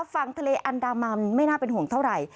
ฝั่งทะเลอันดามันไม่น่าเป็นห่วงเท่าไหร่